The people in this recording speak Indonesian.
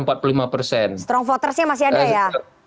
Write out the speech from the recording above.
strong votersnya masih ada ya